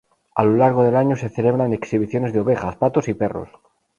A lo largo del año se celebran exhibiciones de ovejas, patos y perros.